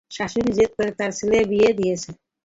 শাশুড়ি জেদ করে তাঁর ছেলের বিয়ে দিয়েছেন।